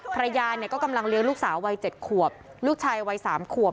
ภรรยาเนี่ยก็กำลังเลี้ยงลูกสาววัย๗ขวบลูกชายวัย๓ขวบ